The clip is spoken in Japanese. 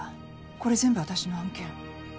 これ全部私の案件。